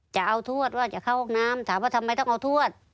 จะเอาทวดว่าจะเข้าห้องน้ำถามว่าทำไมต้องเอาทวด